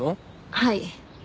はい。